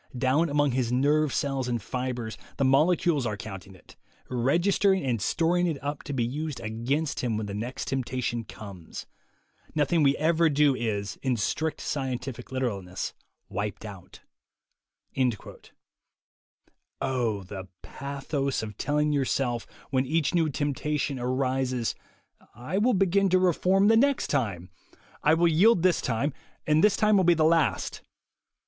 Down among his nerve cells and fibres the molecules are counting it, registering and storing it up to be used against him when the next temptation comes. Nothing we ever do is, in strict scientific literalness, wiped out." Oh, the pathos of telling yourself, when each new temptation arises : "I will begin to reform the next time. I will yield this time, and this will be the last."